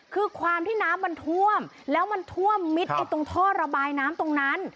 คือความที่น้ำมันท่วมแล้วมันท่วมมิดไอ้ตรงท่อระบายน้ำตรงนั้น